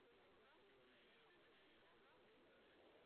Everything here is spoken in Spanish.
Al timbre la corona del Príncipe de Asturias.